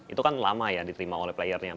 itu kan lama ya diterima oleh player nya